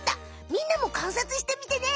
みんなもかんさつしてみてね。